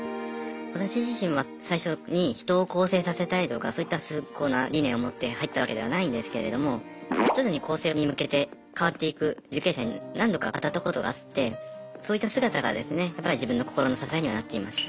私自身は最初に人を更生させたいとかそういった崇高な理念を持って入ったわけではないんですけれども徐々に更生に向けて変わっていく受刑者に何度か当たったことがあってそういった姿がですねやっぱり自分の心の支えにはなっていました。